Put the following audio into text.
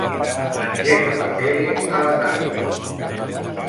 Engega la tele a la tarda.